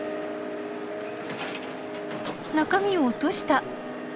中身を落とした。